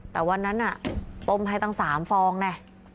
แต่วันนั้นอะต้มไข่ตั้งสามฟองน่ะ